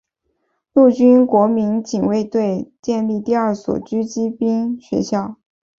陆军国民警卫队建立第二所狙击兵学校。